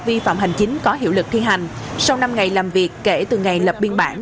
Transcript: vi phạm hành chính có hiệu lực thi hành sau năm ngày làm việc kể từ ngày lập biên bản